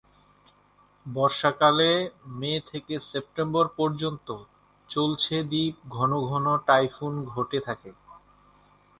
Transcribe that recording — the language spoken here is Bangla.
বর্ষাকালে মে থেকে সেপ্টেম্বর পর্যন্ত চলছে দ্বীপ ঘন ঘন টাইফুন ঘটে থাকে।